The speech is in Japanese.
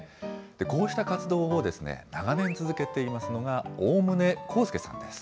こうした活動を長年続けていますのが、大棟耕介さんです。